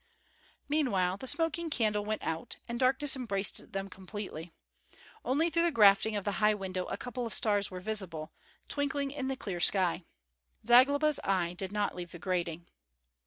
Meanwhile the smoking candle went out, and darkness embraced them completely; only through the grating of the high window a couple of stars were visible, twinkling in the clear sky. Zagloba's eye did not leave the grating.